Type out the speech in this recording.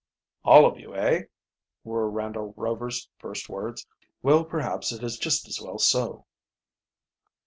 "All of you, eh?" were Randolph Rover's first words. "Well, perhaps it is just as well so."